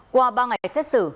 qua ba ngày xét xử